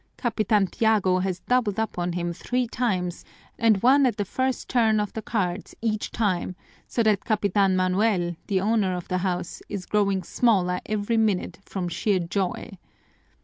Capitan Tiago has doubled up on him three times and won at the first turn of the cards each time, so that Capitan Manuel, the owner of the house, is growing smaller every minute from sheer joy.